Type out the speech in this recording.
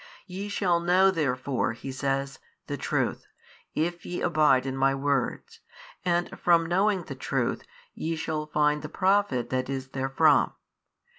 Ye shall know therefore (He says) the Truth, if ye abide in My Words, and from knowing the Truth ye shall find the profit that is therefrom.